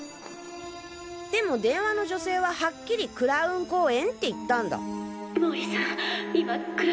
でも電話の女性ははっきり蔵雲公園って言ったんだ。